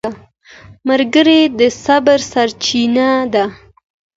ملګری د صبر سرچینه ده